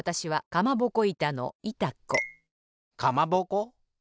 かまぼこ？